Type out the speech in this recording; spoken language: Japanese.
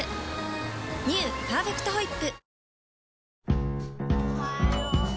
「パーフェクトホイップ」